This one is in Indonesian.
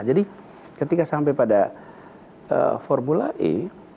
jadi ketika sampai pada formula e